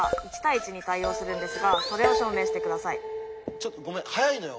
ちょっとごめん速いのよ。